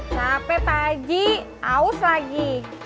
capek pak haji aus lagi